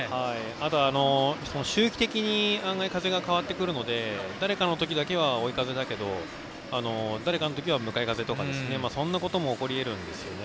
あとは周期的に風が変わってくるので誰かの時だけは追い風だけど誰かの時は向かい風とかそんなことも起こり得ますよね。